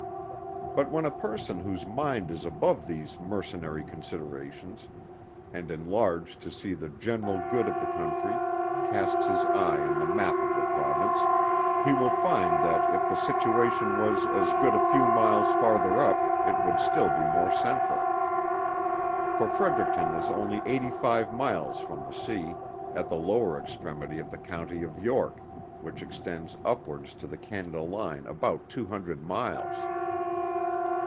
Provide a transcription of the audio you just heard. But when a person whose mind is above these mercenary considerations, and enlarged to see the general good of the country, casts his eye on the map of the Province, he will find that if the situation was as good a few miles farther up, it would still be more central. For Fredericton is only eighty five miles from the sea; at the lower extremity of the County of York, which extends upwards to the Canada line about two hundred miles.